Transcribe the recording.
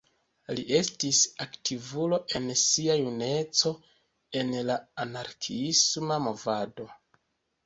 Li estis aktivulo en sia juneco en la anarkiisma movado.